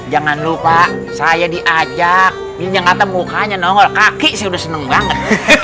jangan lupa saya diajak minyak mata mukanya nongol kaki sudah seneng banget